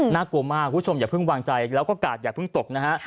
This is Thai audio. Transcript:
กลัวมากคุณผู้ชมอย่าเพิ่งวางใจแล้วก็กาดอย่าเพิ่งตกนะฮะ